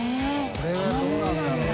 これどうなんだろう？